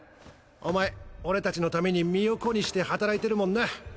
おまえ俺達の為に身を粉にして働いてるもんな。